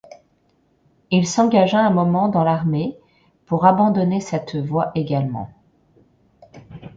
Il s’engagea un moment dans l’armée, pour abandonner cette voie également.